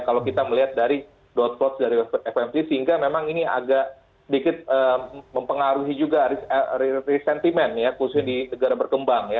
kalau kita melihat dari dot codes dari fmc sehingga memang ini agak sedikit mempengaruhi juga resentment ya khususnya di negara berkembang ya